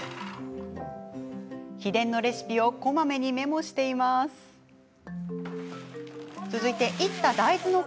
秘伝のレシピをこまめにメモしていますね。